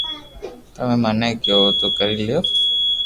تمي مني ڪيويو تو ڪري ليو